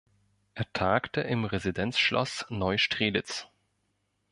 Er tagte im Residenzschloss Neustrelitz.